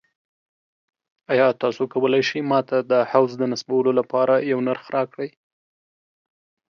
ایا تاسو کولی شئ ما ته د حوض د نصبولو لپاره یو نرخ راکړئ؟